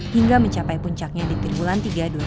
hingga mencapai puncaknya di tirmulan tiga dua ribu tiga belas